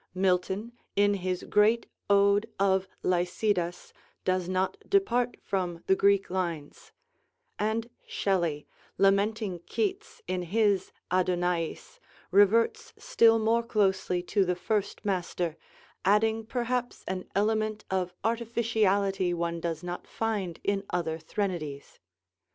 Milton in his great ode of 'Lycidas' does not depart from the Greek lines; and Shelley, lamenting Keats in his 'Adonaïs,' reverts still more closely to the first master, adding perhaps an element of artificiality one does not find in other threnodies.